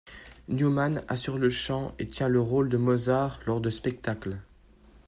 Neumann assure le chant et tien le rôle de Mozart lors de spectacles.